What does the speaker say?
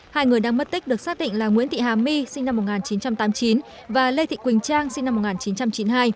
hai người đang mất tích được xác định là nguyễn thị hà my sinh năm một nghìn chín trăm tám mươi chín và lê thị quỳnh trang sinh năm một nghìn chín trăm chín mươi hai